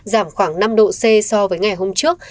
giảm khoảng năm độ c so với ngày hôm trước